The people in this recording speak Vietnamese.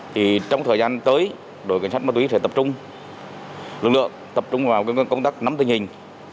thì trong thời gian tới đội cảnh sát ma túy sẽ tập trung lực lượng tập trung vào công tác nắm tình hình